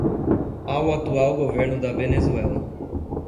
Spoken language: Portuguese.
ao atual governo da Venezuela